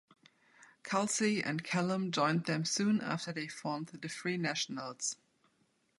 Kelsey and Callum joined them soon after and they formed the Free Nationals.